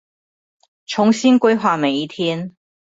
重新規劃每一天